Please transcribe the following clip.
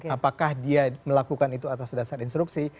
apakah dia melakukan itu atas dasar instruksi